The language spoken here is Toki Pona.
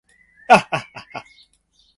a a a!